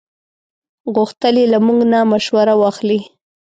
غوښتل یې له موږ نه مشوره واخلي.